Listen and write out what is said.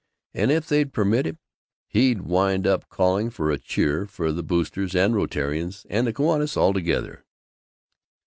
And if they'd permit him, he'd wind up by calling for a cheer for the Boosters and Rotarians and the Kiwanis all together!"